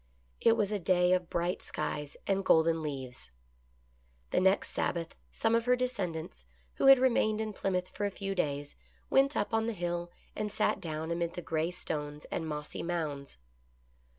It was a day of bright skies and golden leaves. The next Sabbath some of her descendants, who had remained in Plymouth for a few days, went up on the Hill and sat down amid the gray stones and mossy mounds.